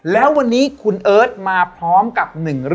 และวันนี้คุณเอิ้อทมาพร้อมกับ